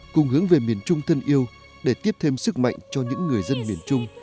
cùng hướng về miền trung thân yêu để tiếp thêm sức mạnh cho những người dân miền trung